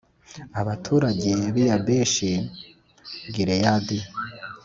Abaturage b i Yabeshi Gileyadi